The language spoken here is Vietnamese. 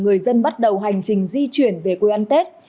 người dân bắt đầu hành trình di chuyển về quê ăn tết